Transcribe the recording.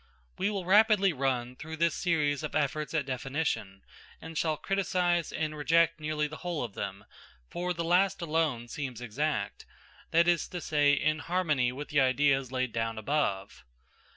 We will rapidly run through this series of efforts at definition, and shall criticise and reject nearly the whole of them; for the last alone seems exact that is to say, in harmony with the ideas laid down above.